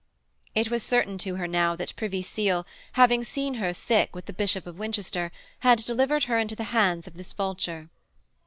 It was certain to her now that Privy Seal, having seen her thick with the Bishop of Winchester, had delivered her into the hands of this vulture.